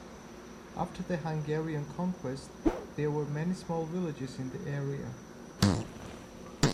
After the Hungarian Conquest, there were many small villages in the area.